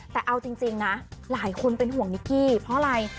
แต่เอาจริงนะหลายคนเป็นห่วงนิกกี้เพราะอะไร